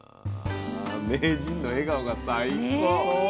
名人の笑顔が最高。